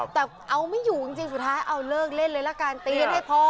แต่เอาไม่อยู่จริงสุดท้ายเอาเลิกเล่นเลยละกันตีกันให้พอ